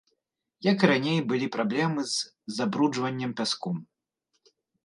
Як і раней былі праблемы з забруджваннем пяском.